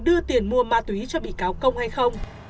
đưa tiền mua ma túy cho bị cáo công hay không